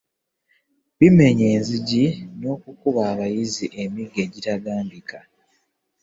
Bimenye enzigi n'okukuba abayizi emiggo egitagambika